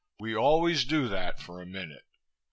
"We always do that for a minute.